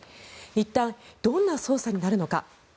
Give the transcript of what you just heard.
一体どんな調査になるのか。